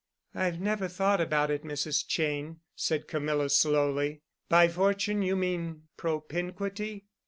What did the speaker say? "I've never thought about it, Mrs. Cheyne," said Camilla slowly. "By fortune you mean propinquity?"